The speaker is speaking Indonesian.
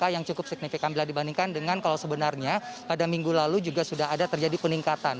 yang cukup signifikan bila dibandingkan dengan kalau sebenarnya pada minggu lalu juga sudah ada terjadi peningkatan